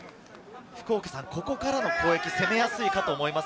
ここからの攻撃、攻めやすいかと思います。